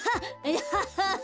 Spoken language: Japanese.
アハハハ！